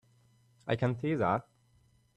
I can see that.